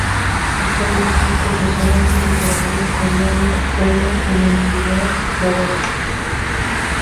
Actualmente es profesora de literatura coreana en la Universidad Dong-a.